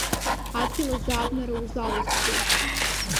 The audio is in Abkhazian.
Адгьыл азы абнара узалысхуеит.